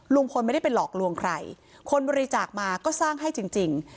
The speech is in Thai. ลุงพลไม่ได้ไปหลอกลวงใครคนบริจาคมาก็สร้างให้จริง